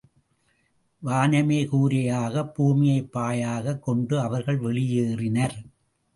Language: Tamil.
வானமே கூரையாகப் பூமியைப் பாயாகக் கொண்டு, அவர்கள் வெளியேறினர்.